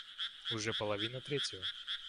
Уже половина третьего.